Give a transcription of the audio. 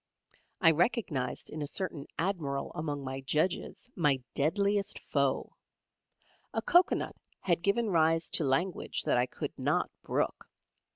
I recognised in a certain Admiral among my judges my deadliest foe. A cocoa nut had given rise to language that I could not brook.